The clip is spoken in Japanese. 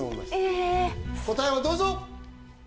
えっ答えをどうぞ！